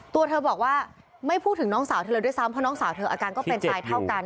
ตัวเธอบอกว่าไม่พูดถึงน้องสาวเธอเลยด้วยซ้ำเพราะน้องสาวเธออาการก็เป็นตายเท่ากัน